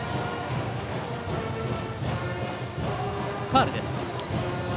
ファウルです。